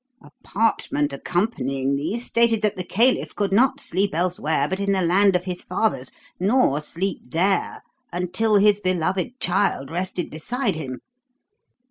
A parchment accompanying these stated that the caliph could not sleep elsewhere but in the land of his fathers, nor sleep there until his beloved child rested beside him.